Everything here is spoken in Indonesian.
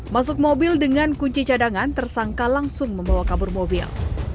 masuk mobil dengan kunci cadangan tersangka langsung membawa kabur mobil